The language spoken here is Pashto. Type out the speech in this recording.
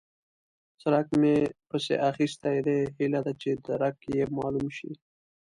څرک مې پسې اخيستی دی؛ هيله ده چې درک يې مالوم شي.